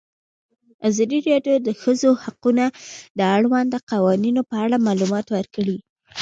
ازادي راډیو د د ښځو حقونه د اړونده قوانینو په اړه معلومات ورکړي.